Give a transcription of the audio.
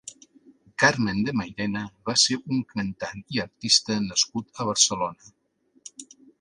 Carmen de Mairena va ser un cantant i artista nascut a Barcelona.